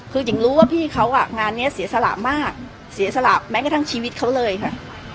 คือหญิงรู้ว่าพี่เขาอ่ะงานนี้เสียสละมากเสียสละแม้กระทั่งชีวิตเขาเลยค่ะ